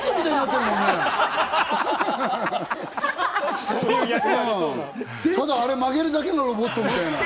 ただあれ曲げるだけのロボットみたいな。